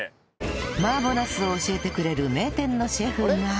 麻婆ナスを教えてくれる名店のシェフが